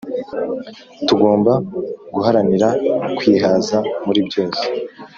tugomba guharanira kwihaza muri byose